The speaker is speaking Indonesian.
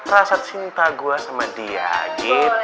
rasa cinta gue sama dia gitu